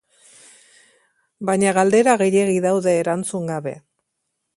Baina galdera gehiegi daude erantzun gabe.